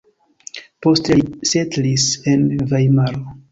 Poste li setlis en Vajmaro.